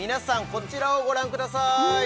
こちらをご覧ください